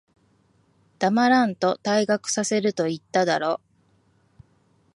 黙らんと、退学させると言っただろ。